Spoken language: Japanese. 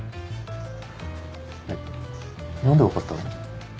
何で分かったの？